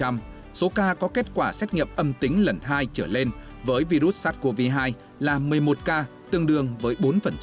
số ca có kết quả xét nghiệm âm tính lần hai trở lên với virus sars cov hai là một mươi một ca tương đương với bốn